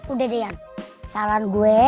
udah deh yan salah gue